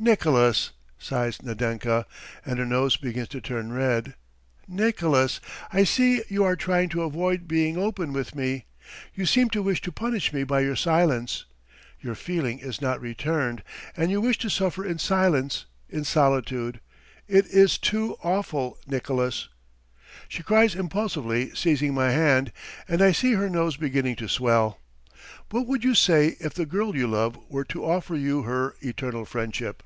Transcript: ..." "Nicolas," sighs Nadenka, and her nose begins to turn red, "Nicolas, I see you are trying to avoid being open with me. ... You seem to wish to punish me by your silence. Your feeling is not returned, and you wish to suffer in silence, in solitude ... it is too awful, Nicolas!" she cries impulsively seizing my hand, and I see her nose beginning to swell. "What would you say if the girl you love were to offer you her eternal friendship?"